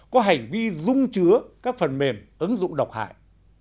có hành vi dung chứa các phần mềm ứng dụng độc hại